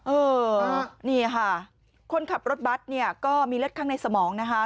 เออนี่ค่ะคนขับรถบัตรเนี่ยก็มีเลือดข้างในสมองนะคะ